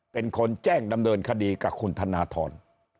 เป็นคนแจ้งดำเนินคดีกับคุณธนทร